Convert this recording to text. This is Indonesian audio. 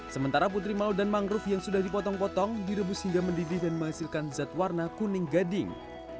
sementara putri mau dan mangrove yang sudah dipotong potong direbus hingga mendidih dan menghasilkan zat warna kuning gading